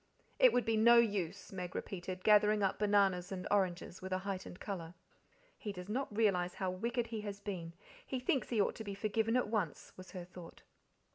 "It would be no use," Meg repeated, gathering up bananas and oranges with a heightened colour. He does not realize how wicked he has been, he thinks he ought to be forgiven at once was her thought.